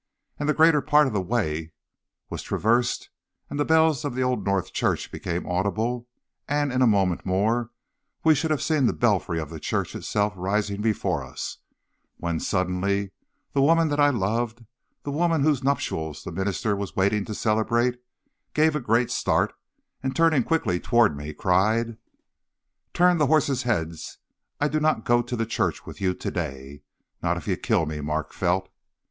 And the greater part of the way was traversed, and the bells of the old North Church became audible, and in a moment more we should have seen the belfry of the church itself rising before us, when, suddenly, the woman that I loved, the woman whose nuptials the minister was waiting to celebrate, gave a great start, and, turning quickly toward me, cried: "'Turn the horses' heads! I do not go to the church with you to day. Not if you kill me, Mark Felt!'